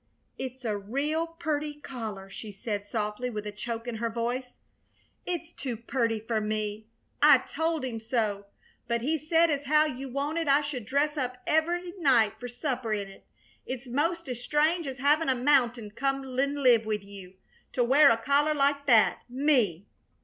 "It's a real purty collar," she said, softly, with a choke in her voice. "It's too purty fer me. I told him so, but he said as how you wanted I should dress up every night fer supper in it. It's 'most as strange as havin' a mounting come an' live with you, to wear a collar like that me!"